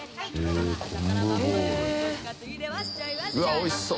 うわおいしそう！